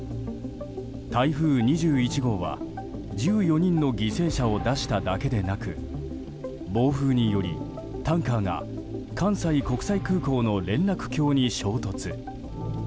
台風２１号は１４人の犠牲者を出しただけでなく暴風によりタンカーが関西国際空港の連絡橋に衝突。